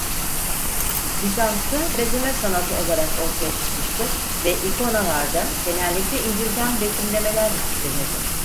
Bizans'ta bezeme sanatı olarak ortaya çıkmıştı ve ikonalarda genellikle İncil'den betimlemeler işlenirdi.